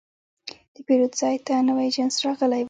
د پیرود ځای ته نوی جنس راغلی و.